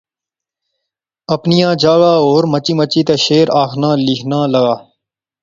اپنیاں جاغا ہور مچی مچی تے شعر آخنا لیخنا لغا